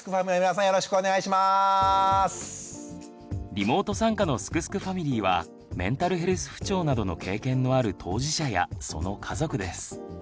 リモート参加のすくすくファミリーはメンタルヘルス不調などの経験のある当事者やその家族です。